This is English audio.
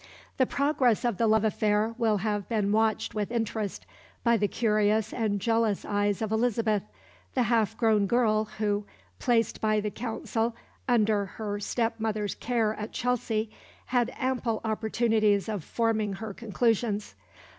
The progress of the love affair will have been watched with interest by the curious and jealous eyes of Elizabeth, the half grown girl, who, placed by the Council under her step mother's care at Chelsea, had ample opportunities of forming her conclusions.